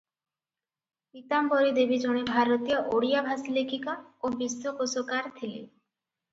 ପୀତାମ୍ବରୀ ଦେବୀ ଜଣେ ଭାରତୀୟ ଓଡ଼ିଆ-ଭାଷୀ ଲେଖିକା ଓ ବିଶ୍ୱକୋଷକାର ଥିଲେ ।